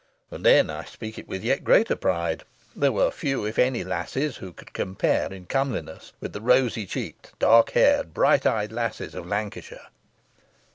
And then, I speak it with yet greater pride, there were few, if any, lasses who could compare in comeliness with the rosy cheeked, dark haired, bright eyed lasses of Lancashire.